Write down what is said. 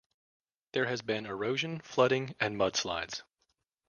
There has been erosion, flooding and mudslides.